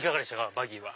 バギーは。